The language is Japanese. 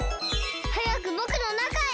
はやくぼくのなかへ！